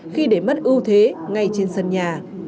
khi để mất ưu thế ngay trên sân nhà